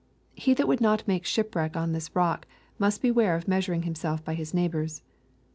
He that would not make shipwreck on this rock, must beware of measuring himself by his neighbors.